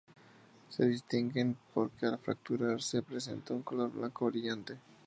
Se distinguen porque al fracturarse presenta un color blanco brillante.